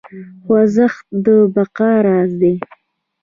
خوځښت د بقا راز دی.